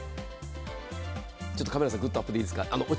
ちょっとカメラさん、グッとアップでいいですか。